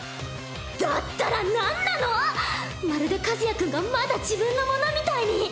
だったらなんなの⁉まるで和也君がまだ自分のものみたいに。